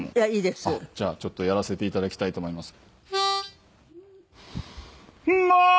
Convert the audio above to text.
じゃあちょっとやらせて頂きたいと思います。